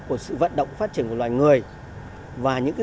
của sự vận động phát triển của loài người và những dự báo